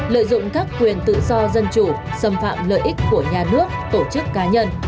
lợi dụng các quyền tự do dân chủ xâm phạm lợi ích của nhà nước tổ chức cá nhân